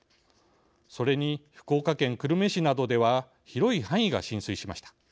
それに福岡県久留米市などでは広い範囲が浸水しました。